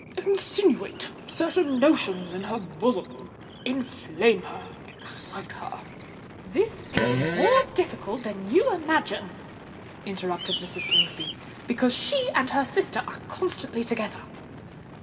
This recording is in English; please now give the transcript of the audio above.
Insinuate certain notions into her bosom—inflame her—excite her——" "This is more difficult than you imagine," interrupted Mrs. Slingsby: "because she and her sister are constantly together."